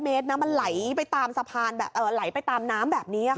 ๔๐๐เมตรน้ำมันไหลไปตามสะพานไหลไปตามน้ำแบบนี้ค่ะ